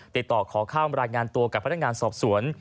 ติดต่อขอเข้ามารายงานตัวกับพนักงานสอบสวน